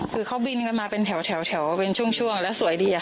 คือเขาบินกันมาเป็นแถวเป็นช่วงแล้วสวยดี